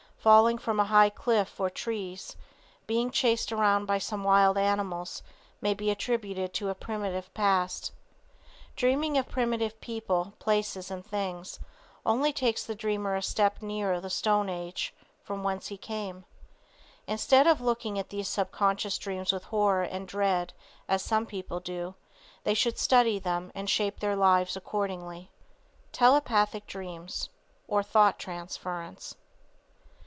Falling from a high cliff or trees. Being chased around by some wild animals may be attributed to a primitive past. Dreaming of primitive people, places and things, only takes the dreamer a step nearer the stone age, from whence he came. Instead of looking at these subconscious dreams with horror and dread as some people do they should study them and shape their lives accordingly. TELEPATHIC DREAMS OR THOUGH TRANSFERENCE.